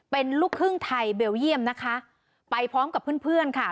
เป็นลูกครึ่งไทยเบลเยี่ยมนะคะไปพร้อมกับเพื่อนเพื่อนค่ะ